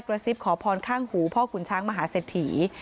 กระซิบขอพรข้างหูพ่อขุนช้างมหาเศรษฐี